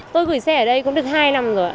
tôi gửi xe ở đây cũng được hai năm rồi ạ